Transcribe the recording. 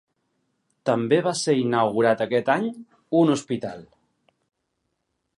També va ser inaugurat aquest any un hospital.